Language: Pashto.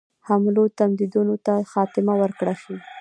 حملو تهدیدونو ته خاتمه ورکړه شي.